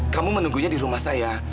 kamu menunggunya di rumah saya